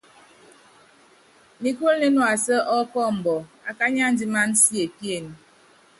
Nikúlu nínuásuɛ́ ɔkɔmbɔ, akányi andimánam siepíene.